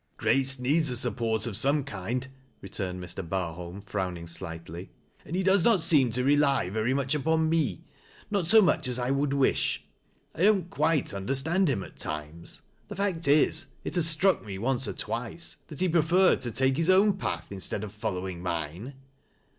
" Grace needs a support of some kind," returned Mr. Barholm, frowning slightly, " and he does not seem to rely veiy much upon me — not so much as I would wisli. I don't quite understand him at times ; the fact is, it has struck me once or twice, that he preferred to take his own path, instead of following mine."